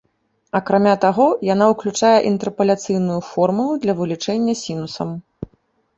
Акрамя таго, яна ўключае інтэрпаляцыйную формулу для вылічэння сінусам.